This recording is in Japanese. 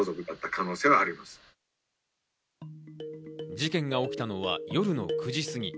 事件が起きたのは夜の９時過ぎ。